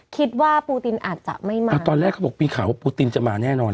คิดว่าปูตินอาจจะไม่มาตอนแรกเขาบอกมีข่าวว่าปูตินจะมาแน่นอน